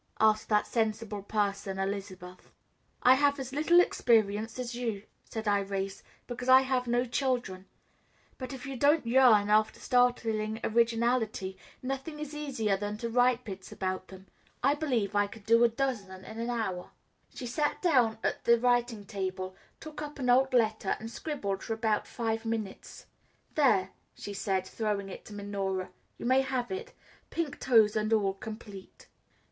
asked that sensible person Elizabeth. "I have as little experience as you," said Irais, "because I have no children; but if you don't yearn after startling originality, nothing is easier than to write bits about them. I believe I could do a dozen in an hour." She sat down at the writing table, took up an old letter, and scribbled for about five minutes. "There," she said, throwing it to Minora, "you may have it pink toes and all complete."